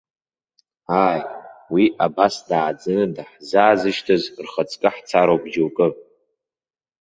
Ааи, уи абас дааӡаны даҳзаазышьҭыз, рхаҵкы ҳцароуп џьоукы.